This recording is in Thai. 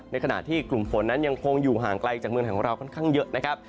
ในขณะที่กลุ่มฝนนั้นยังคงอยู่ห่างไกลจากเมืองไทยของเราค่อนข้างเยอะนะครับ